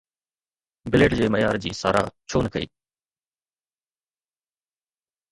Blade جي معيار جي ساراهه ڇو نه ڪئي؟